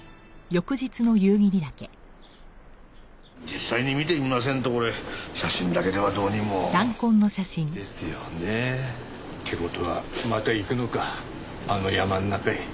実際に見てみませんとこれ写真だけではどうにも。ですよねえ。って事はまた行くのかあの山ん中へ。